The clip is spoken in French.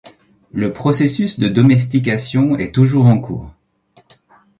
Le processus de domestication est toujours en cours.